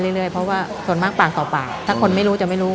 เรื่อยเพราะว่าส่วนมากปากต่อปากถ้าคนไม่รู้จะไม่รู้